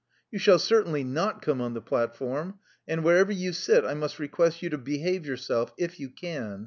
"You shall certainly not come on the platform. And wherever you sit I must request you to behave yourself if you can.